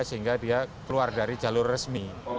sehingga dia keluar dari jalur resmi